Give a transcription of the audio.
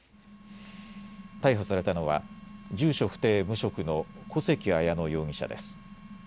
逮捕されたのは住所不定、無職の小関彩乃容疑者です。